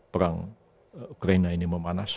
perang ukraina ini memanas